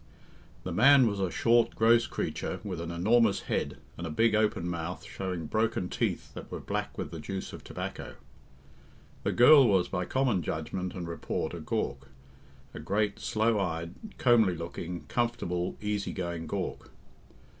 The man was a short, gross creature, with an enormous head and a big, open mouth, showing broken teeth that were black with the juice of tobacco. The girl was by common judgment and report a gawk a great, slow eyed, comely looking, comfortable, easy going gawk.